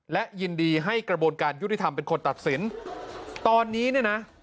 และยินดีให้กระบวนการยุติธรรมเป็นคนตัดสินตอนนี้เนี่ยนะ